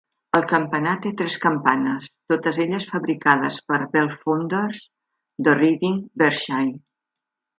El campanar té tres campanes, totes elles fabricades per Bellfounders de Reading, Berkshire.